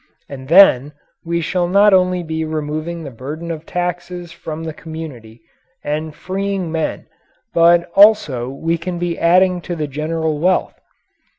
And then we shall not only be removing the burden of taxes from the community and freeing men but also we can be adding to the general wealth.